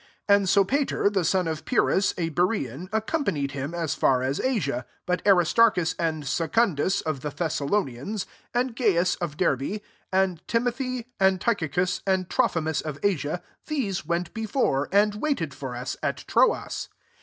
4 nd Sopater, the son of Pyrr as, a Berean, accompanied im as far as Asia ; but Aris rchus and Secundus, of the hcssalonians, and Gaius, of 'erb^, and Timothy, and Ty licus and Trophimus of A^ia, these went before, Mid wailed r us at Troas.